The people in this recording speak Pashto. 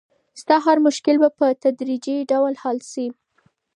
ستا هر مشکل به په تدریجي ډول حل شي.